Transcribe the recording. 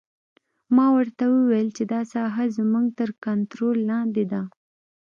ما ورته وویل چې دا ساحه زموږ تر کنترول لاندې ده